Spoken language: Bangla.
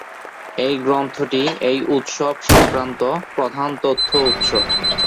এই গ্রন্থটি এই উৎসব-সংক্রান্ত প্রধান তথ্য-উৎস।